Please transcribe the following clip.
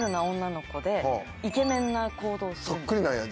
そっくりなんや？